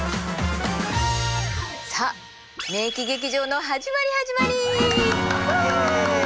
さあ免疫劇場の始まり始まり！